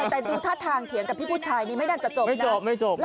แต่ดูท่าทางเถียงกับพี่ผู้ชายนี้ไม่น่าจะจบนะ